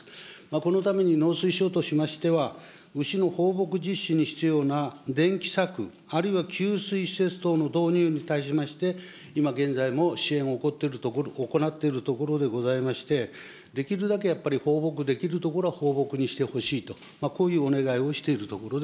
このために農水省としましては、牛の放牧実施に必要な電気柵、あるいは給水施設等の導入に対しまして、今現在も支援を行っているところでございまして、できるだけ、やっぱり放牧できるところは放牧にしてほしいと、こういうお願い